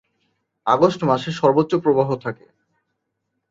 August মাসে সর্বোচ্চ প্রবাহ থাকে।